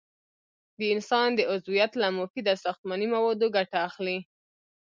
د انسان د عضویت له مفیده ساختماني موادو ګټه اخلي.